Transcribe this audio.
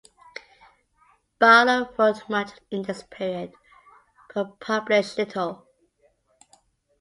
Barlow wrote much in this period, but published little.